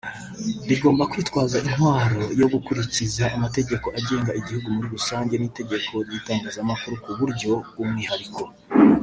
rigomba kwitwaza intwaro yo gukurikiza amategeko agenga igihugu muri rusange n’itegeko ry’Itangazamakuru ku buryo bw’umwihariko